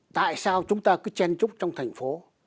tại sao chúng ta cứ chen trúc trong thành phố